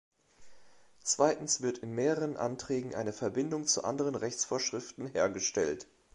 Zweitens wird in mehreren Anträgen eine Verbindung zu anderen Rechtsvorschriften hergestellt.